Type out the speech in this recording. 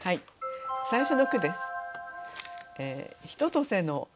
最初の句です。